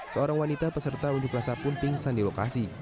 seorang wanita peserta unjuk rasa pun pingsan di lokasi